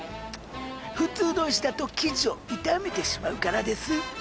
普通の石だと生地を傷めてしまうからです。